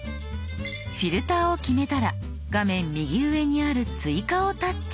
フィルターを決めたら画面右上にある「追加」をタッチ。